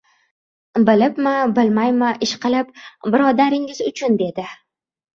Bilibmi, bilmaymi, ishqilib, birodaringiz uchun, dedi!